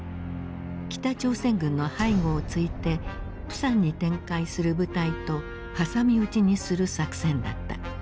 北朝鮮軍の背後をついてプサンに展開する部隊と挟み撃ちにする作戦だった。